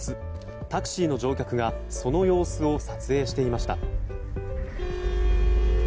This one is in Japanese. タクシーの乗客がその様子を撮影していました。